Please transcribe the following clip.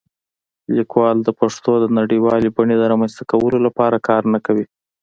لیکوالان د پښتو د نړیوالې بڼې د رامنځته کولو لپاره کار نه کوي.